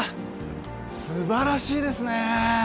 素晴らしいですね。